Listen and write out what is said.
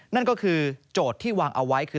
นั่นก็คือโจทย์ที่วางเอาไว้คือ